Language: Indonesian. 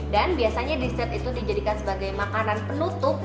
dan biasanya dessert itu dijadikan sebagai makanan penutup